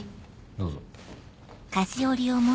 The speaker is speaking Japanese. どうぞ。